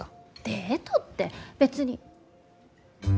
デートって別に。